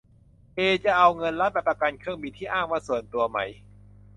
เอ จะเอาเงินรัฐ ไปประกันเครื่องบินที่อ้างว่า"ส่วนตัว"ไหม ?